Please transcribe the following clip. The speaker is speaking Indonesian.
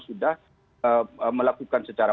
sudah melakukan secara